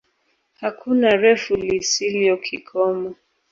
Hakuna refu lisilyo kikomo